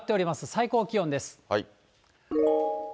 最高気温です。